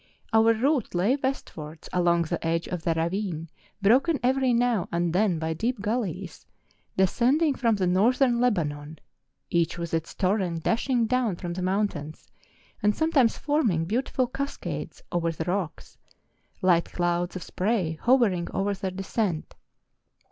Our route lay westwards, along the edge MOUNT LEBANON. 201 of the ravine broken every now and then by deep gullies, descending from the northern Lebanon, each with its torrent dashing down from the mountains, and sometimes forming beautiful cascades over the rocks, light clouds of spray hovering over their de¬ scent.